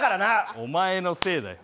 お前のせいだよ！